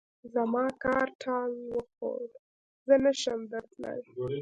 زما کار ټال وخوړ؛ زه نه شم درتلای.